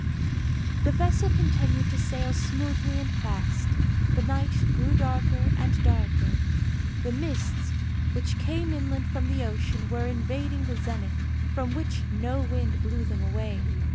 The vessel continued to sail smoothly and fast. The night grew darker and darker. The mists, which came inland from the ocean, were invading the zenith, from which no wind blew them away.